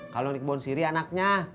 kalau di kebon siri anaknya